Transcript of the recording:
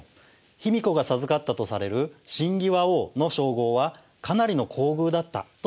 卑弥呼が授かったとされる「親魏倭王」の称号はかなりの厚遇だったといわれています。